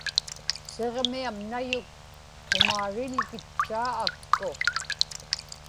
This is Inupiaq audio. Siġmiam Nayuk qimaariḷgitchaa akku